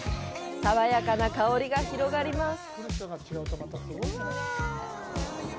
爽やかな香りが広がります。